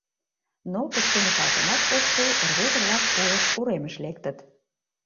Но пычкемышалтынат ок шу — рвезе-влак уэш уремыш лектыт.